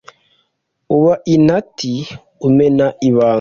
Uba intati, umena ibanga